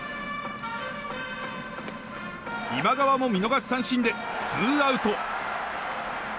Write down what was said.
今川も見逃し三振でツーアウト。